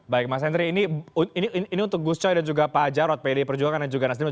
baik mas henry ini untuk gus coy dan juga pak jarod pdi perjuangan dan juga nasdem